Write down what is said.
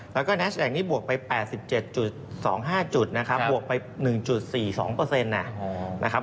แล้วก็แนชแดงนี่บวกไป๘๗๒๕จุดนะครับบวกไป๑๔๒เปอร์เซ็นต์นะครับ